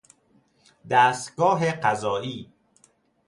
دستگاه قضایی